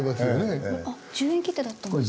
１０円切手だったんですか？